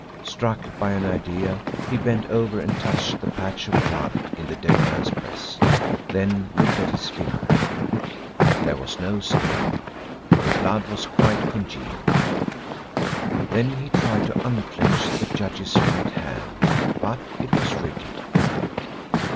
Struck by an idea, he bent over and touched the patch of blood in the dead man's breast, then looked at his finger. There was no stain. The blood was quite congealed. Then he tried to unclench the judge's right hand, but it was rigid.